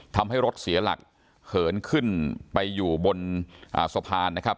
ทำให้รถเสียหลักเหินขึ้นไปอยู่บนสะพานนะครับ